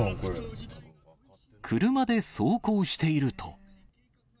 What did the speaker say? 車で走行していると。